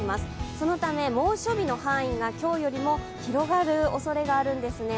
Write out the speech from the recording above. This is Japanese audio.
そのため、猛暑日の範囲が今日よりも広がるおそれがあるんですね。